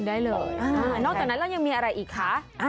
ได้เลยนอกจากนั้นเรายังมีอะไรอีกคะ